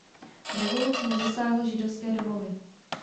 Revoluce nezasáhla židovské domovy.